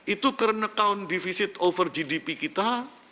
itu current account divisi terhadap gdp kita